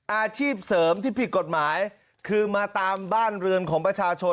อาชีพเสริมที่ผิดกฎหมายคือมาตามบ้านเรือนของประชาชน